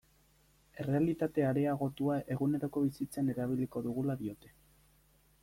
Errealitate areagotua eguneroko bizitzan erabiliko dugula diote.